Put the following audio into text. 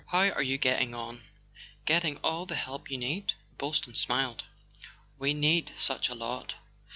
"How are you getting on? Getting all the help you need ?" Boylston smiled. "We need such a lot.